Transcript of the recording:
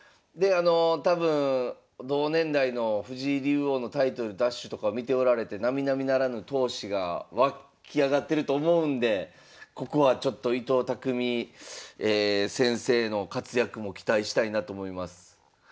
であの多分同年代の藤井竜王のタイトル奪取とか見ておられてなみなみならぬ闘志が湧き上がってると思うんでここはちょっと伊藤匠先生の活躍も期待したいなと思います。